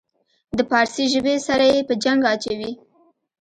د پارسي ژبې سره یې په جنګ اچوي.